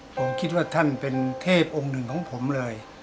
ผมคิดว่าท่านเป็นเทพองค์หนึ่งของผมเลย